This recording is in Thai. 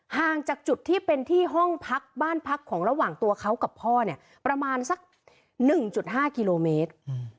ห่างจากจุดที่เป็นที่ห้องพักบ้านพักของระหว่างตัวเขากับพ่อเนี่ยประมาณสัก๑๕กิโลเมตร